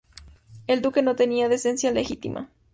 El duque no tenía descendencia legítima.